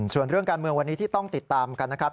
ส่วนเรื่องการเมืองวันนี้ที่ต้องติดตามกันนะครับ